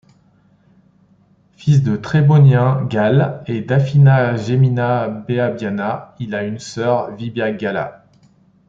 Fils de Trébonien Galle et d'Afinia Gemina Baebiana, il a une sœur, Vibia Galla.